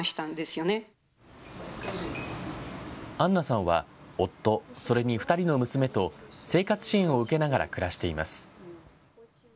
アンナさんは、夫、それに２人の娘と生活支援を受けながら暮らしています。